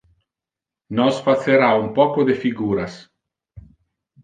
Nos facera un poco de figuras.